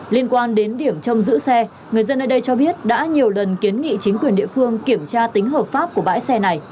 liên quan đến điểm trông giữ xe người dân ở đây cho biết đã nhiều lần kiến nghị chính quyền địa phương kiểm tra tính hợp pháp của bãi xe này